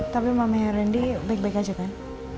tapi mamanya randy baik baik aja kan